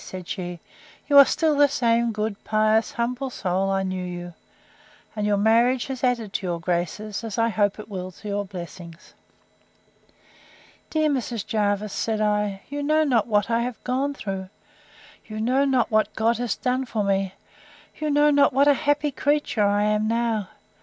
said she, you are still the same good, pious, humble soul I knew you; and your marriage has added to your graces, as I hope it will to your blessings. Dear Mrs. Jervis, said I, you know not what I have gone through! You know not what God has done for me! You know not what a happy creature I am now!